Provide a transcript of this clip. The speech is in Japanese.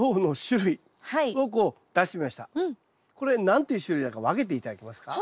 これ何ていう種類だか分けて頂けますか？